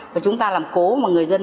và chúng ta làm cố mà người dân